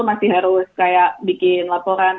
masih harus kayak bikin laporan